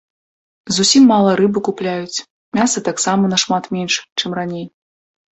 Зусім мала рыбы купляюць, мяса таксама нашмат менш, чым раней.